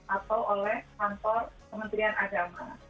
atau oleh kantor kementerian agama